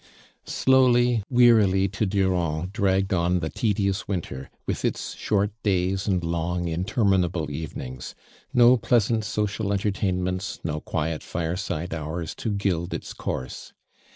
Slowly — wearily to Duraiifl dragged on the tedious winter, with its short days and long interminable evenings — no pleasant social entertainments, no quiet fireside hours to gild its course.